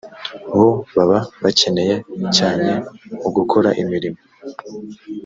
bo baba bakenewe cyane mu gukora imirimo